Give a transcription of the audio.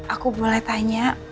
aku boleh tanya